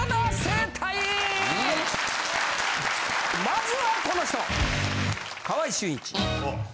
まずはこの人！